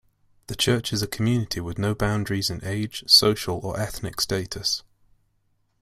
The Church is a community with no boundaries in age, social or ethnic status.